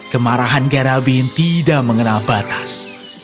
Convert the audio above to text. kemarahan garabin tidak mengenal batas